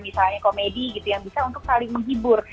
misalnya komedi gitu yang bisa untuk saling menghibur